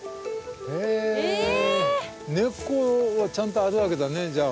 根っこはちゃんとあるわけだねじゃあ。